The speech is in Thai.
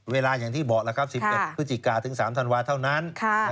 อย่างที่บอกแล้วครับ๑๑พฤศจิกาถึง๓ธันวาเท่านั้น